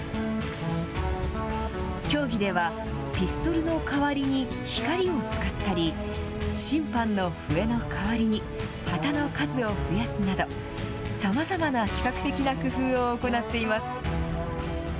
競技では、ピストルの代わりに光を使ったり、審判の笛の代わりに、旗の数を増やすなど、さまざまな視覚的な工夫を行っています。